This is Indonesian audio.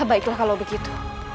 baiklah kalau begitu